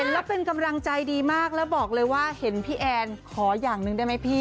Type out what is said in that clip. แล้วเป็นกำลังใจดีมากแล้วบอกเลยว่าเห็นพี่แอนขออย่างหนึ่งได้ไหมพี่